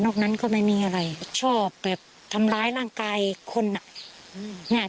นั้นก็ไม่มีอะไรชอบแบบทำร้ายร่างกายคนอ่ะเนี่ย